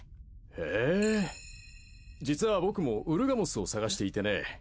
へぇ実は僕もウルガモスを探していてね。